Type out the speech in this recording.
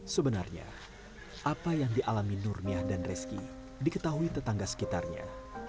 sebenarnya apa yang dialami nurmiah dan reski diketahui tetangga sekitarnya